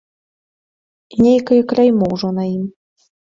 І нейкае кляймо ўжо на ім.